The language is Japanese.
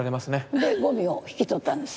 でゴミを引き取ったんです。